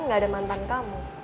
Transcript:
enggak ada mantan kamu